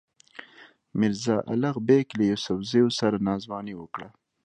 میرزا الغ بېګ له یوسفزیو سره ناځواني وکړه.